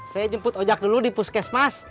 saya jemput ojak dulu di puskesmas